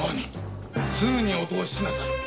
すぐにお通ししなさい。